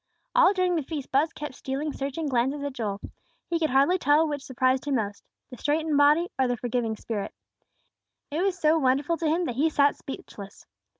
All during the feast, Buz kept stealing searching glances at Joel. He could hardly tell which surprised him most, the straightened body or the forgiving spirit. It was so wonderful to him that he sat speechless.